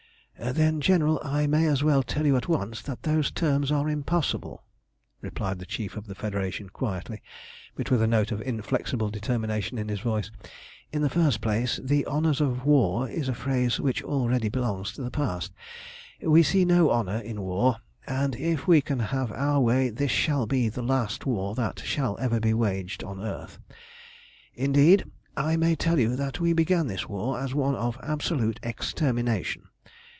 "Then, General, I may as well tell you at once that those terms are impossible," replied the Chief of the Federation quietly, but with a note of inflexible determination in his voice. "In the first place, 'the honours of war' is a phrase which already belongs to the past. We see no honour in war, and if we can have our way this shall be the last war that shall ever be waged on earth. "Indeed, I may tell you that we began this war as one of absolute extermination.